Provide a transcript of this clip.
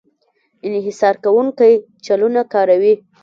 انحصار کوونکی چلونه کاروي.